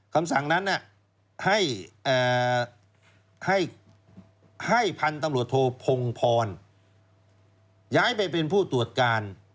คำสั่งนั้นให้พันธุ์ตำรวจโทพงพรย้ายไปเป็นผู้ตรวจการ